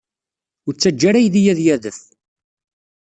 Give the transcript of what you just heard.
Ur ttaǧǧa ara aydi ad d-yadef.